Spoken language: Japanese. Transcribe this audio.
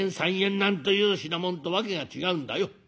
なんという品物とわけが違うんだよ。